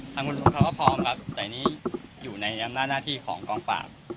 ทางคุณภูมิเขาก็พร้อมครับแต่นี้อยู่ในหน้าหน้าที่ของกองปราบ